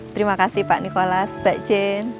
terima kasih pak nikolas pak jen